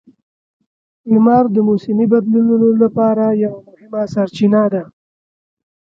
لمر د موسمي بدلونونو لپاره یوه مهمه سرچینه ده.